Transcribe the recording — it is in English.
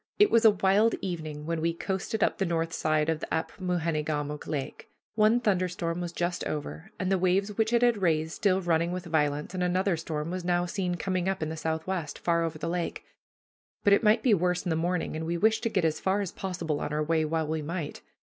It was a wild evening when we coasted up the north side of this Apmoojenegamook Lake. One thunder storm was just over, and the waves which it had raised still running with violence, and another storm was now seen coming up in the southwest, far over the lake; but it might be worse in the morning, and we wished to get as far as possible on our way while we might.